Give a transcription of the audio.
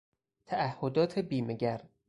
تعهدات بیمه گر